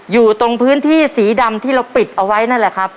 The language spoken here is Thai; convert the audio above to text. อยู่ตรงพื้นที่สีดำที่เราปิดเอาไว้นั่นแหละครับ